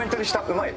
うまい！